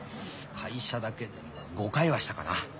会社だけでも５回はしたかな。